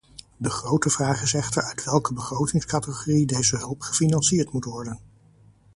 De grote vraag is echter uit welke begrotingscategorie deze hulp gefinancierd moet worden.